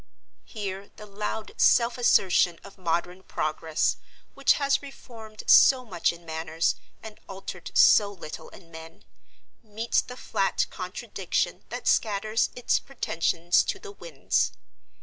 Here, the loud self assertion of Modern Progress—which has reformed so much in manners, and altered so little in men—meets the flat contradiction that scatters its pretensions to the winds.